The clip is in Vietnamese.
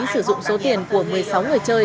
sử dụng số tiền của một mươi sáu người chơi